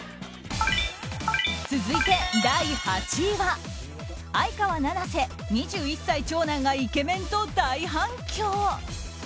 続いて第８位は、相川七瀬２１歳長男がイケメンと大反響。